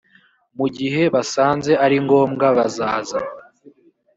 mu gihe basanze ari ngombwa bazaza.